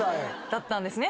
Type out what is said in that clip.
・だったんですね